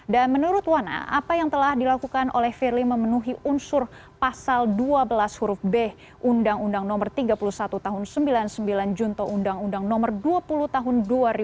dan menurut wana apa yang telah dilakukan oleh firly memenuhi unsur pasal dua belas huruf b undang undang no tiga puluh satu tahun seribu sembilan ratus sembilan puluh sembilan junto undang undang no dua puluh tahun dua ribu satu